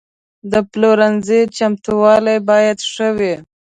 د پلورنځي چمتووالی باید ښه وي.